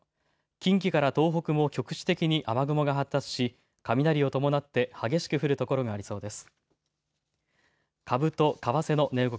近畿から東北も局地的に雨雲が発達し雷を伴って激しく降る所がありそうです。